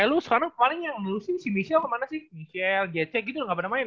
lu sekarang kemarin yang ngelusin si michelle kemana sih michelle jecek gitu gak pernah main